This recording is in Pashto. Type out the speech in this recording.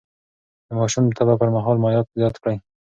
د ماشوم د تبه پر مهال مايعات زيات کړئ.